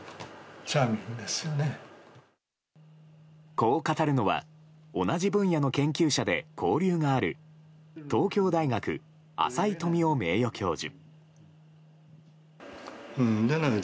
こう語るのは同じ分野の研究者で交流がある東京大学、浅井冨雄名誉教授。